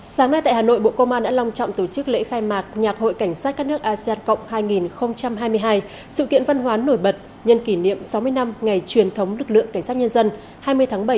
sáng nay tại hà nội bộ công an đã long trọng tổ chức lễ khai mạc nhạc hội cảnh sát các nước asean cộng hai nghìn hai mươi hai sự kiện văn hoán nổi bật nhân kỷ niệm sáu mươi năm ngày truyền thống lực lượng cảnh sát nhân dân hai mươi tháng bảy một nghìn chín trăm sáu mươi hai